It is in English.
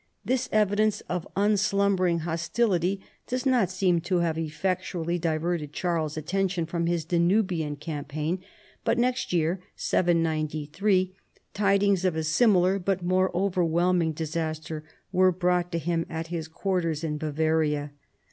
This evidence of unslumbering hostility does not seem to have effectually diverted Charles's attention from his Danubian campaign, but next year (793) tidings of a similar but more over whelming disaster were brought to him at his quarters in Bavaria.